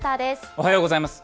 おはようございます。